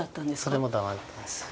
それも駄目だったです。